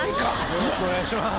よろしくお願いします。